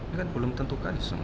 ini kan belum tentu kan